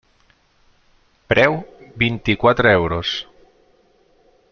Preu: vint-i-quatre euros.